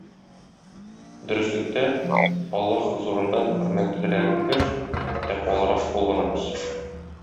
Дөреслектә, Аллаһ хозурында хөрмәтлерәгегез - тәкъвалырак булганыгыз.